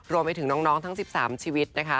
รวมไปถึงน้องทั้ง๑๓ชีวิตนะคะ